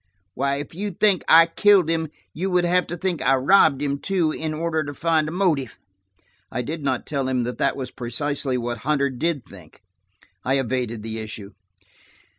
Why, if you think I killed him, you would have to think I robbed him, too, in order to find a motive." I did not tell him that that was precisely what Hunter did think. I evaded the issue.